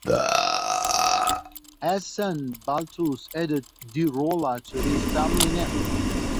His son Balthus added "de Rola" to his family name.